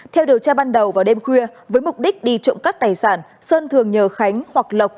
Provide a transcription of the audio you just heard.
theo điều tra ban đầu vào đêm khuya với mục đích đi trộm cắp tài sản sơn thường nhờ khánh hoặc lộc